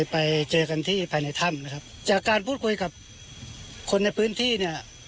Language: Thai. ไปเจอกันที่ภายในถ้ำนะครับจากการพูดคุยกับคนในพื้นที่เนี่ย